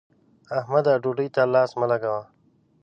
احمده! ډوډۍ ته لاس مه لګوه.